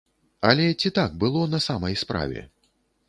Але ці так было на самай справе?